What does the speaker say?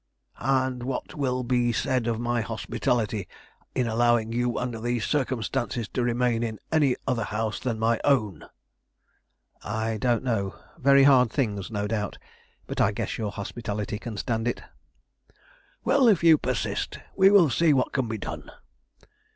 "And what will be said of my hospitality in allowing you under these circumstances to remain in any other house than my own?" "I don't know; very hard things, no doubt; but I guess your hospitality can stand it." "Well, if you persist, we will see what can be done."